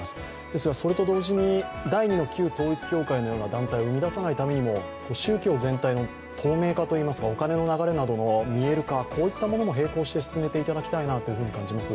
ですがそれと同時に第２の旧統一教会のような団体を生み出さないためにも宗教全体の透明化といいますか、お金の流れなどの見える化、こういったものも並行して進めていただきたいなと感じます。